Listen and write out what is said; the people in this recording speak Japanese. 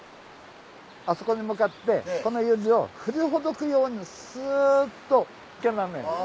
あそこに向かってこの指を振りほどくようにすっと。